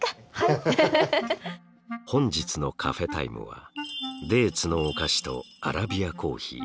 本日のカフェタイムはデーツのお菓子とアラビアコーヒー。